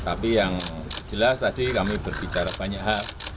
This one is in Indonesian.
tapi yang jelas tadi kami berbicara banyak hal